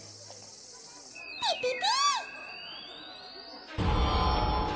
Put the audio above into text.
ピピピー！